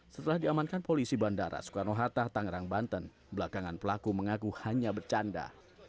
setelah diamankan polisi bandara soekarno hatta tangerang banten belakangan pelaku mengaku hanya bercanda